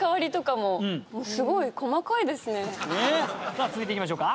さあ続いていきましょうか。